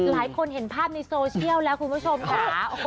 เห็นภาพในโซเชียลแล้วคุณผู้ชมค่ะ